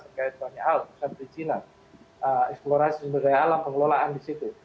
misalnya soekarno nagyar misalnya di china eksplorasi sumber daya alam pengelolaan di situ